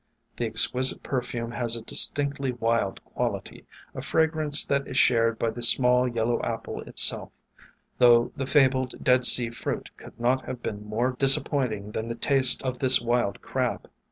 The exquisite per fume has a distinctly wild quality, a fragrance that is shared by the small yellow apple itself, though the fabled Dead Sea fruit could not have been more disappointing than the taste of this Wild Crab.